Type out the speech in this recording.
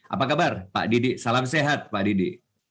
apa kabar pak didik salam sehat pak didik